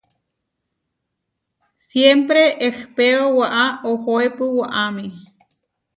Siémpre ehpéo waʼá ohoépu waʼámi.